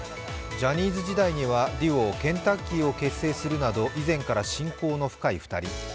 ジャニーズ時代にはデュオ・ＫＥＮ☆Ｔａｃｋｅｙを結成するなど以前から親交の深い２人。